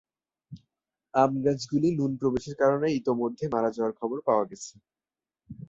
আম গাছগুলি নুন প্রবেশের কারণে ইতোমধ্যে মারা যাওয়ার খবর পাওয়া গেছে।